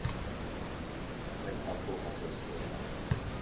Press’a poco a quest’ora.